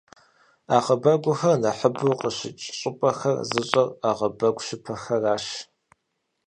Ӏэгъэбэгухэр нэхъыбэу къыщыкӀ щӏыпӏэхэр зыщӀэр Ӏэгъэбэгу щыпэхэращ.